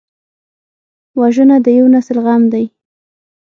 وژنه د یو نسل غم دی